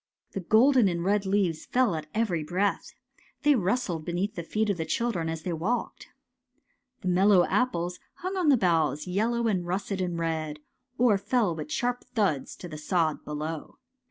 The golden and red leaves fell at every breath. They rustled beneath the feet of the children as they walked. The mellow apples hung on the boughs, yel low and russet and red, or fell with sharp thuds to the sod below.